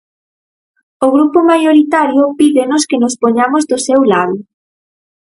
O grupo maioritario pídenos que nos poñamos do seu lado.